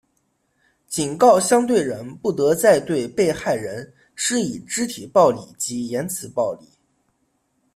警告相对人不得再对被害人施以肢体暴力及言词暴力。